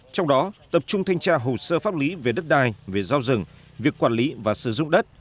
trong đó tập trung thanh tra hồ sơ pháp lý về đất đai về giao rừng việc quản lý và sử dụng đất